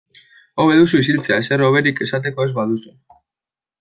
Hobe duzu isiltze ezer hoberik esateko ez baduzu.